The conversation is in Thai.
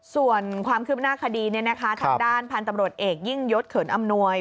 ส่วนความคืบหน้าคดีทางด้านพันธุ์ตำรวจเอกยิ่งยศเขินอำนวย